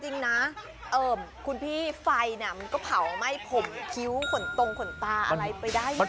อีกเดี๋ยวราคาเป็นล้านเลยเหรอ